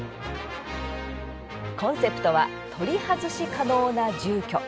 コンセプトは取り外し可能な住居。